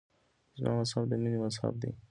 زما مذهب د مینې مذهب دی.